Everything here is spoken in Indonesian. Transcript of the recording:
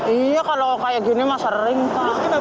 iya kalau kayak gini mah sering pak